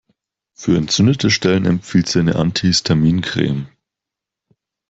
Für entzündete Stellen empfiehlt sie eine antihistamine Creme.